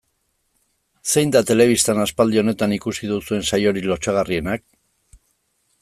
Zein da telebistan aspaldi honetan ikusi duzuen saiorik lotsagarrienak?